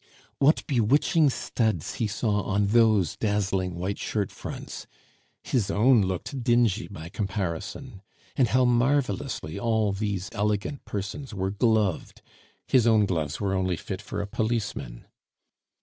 What bewitching studs he saw on those dazzling white shirt fronts, his own looked dingy by comparison; and how marvelously all these elegant persons were gloved, his own gloves were only fit for a policeman!